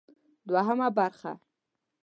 دوهمه برخه: